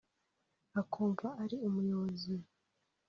akumva ari umuyobozi